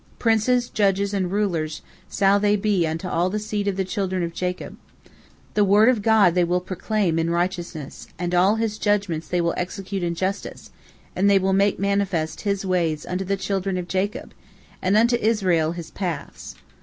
Princes, judges, and rulers shall they be unto all the seed of the children of Jacob. The word of God they will proclaim in righteousness, and all His judgments they will execute in justice, and they will make manifest His ways unto the children of Jacob, and unto Israel His paths."